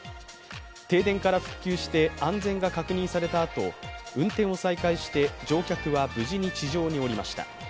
停電から復旧して安全が確認されたあと運転を再開して乗客は無事に地上に降りました。